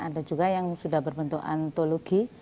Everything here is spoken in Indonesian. ada juga yang sudah berbentuk antologi